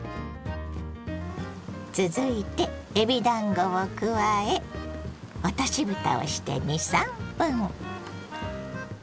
続いてえびだんごを加え落としぶたをして２３分。